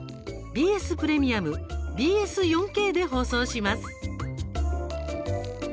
ＢＳプレミアムＢＳ４Ｋで放送します。